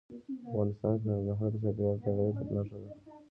افغانستان کې ننګرهار د چاپېریال د تغیر نښه ده.